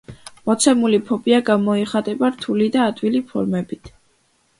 მოცემული ფობია გამოიხატება რთული და ადვილი ფორმებით.